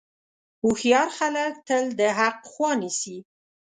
هوښیار خلک تل د حق خوا نیسي.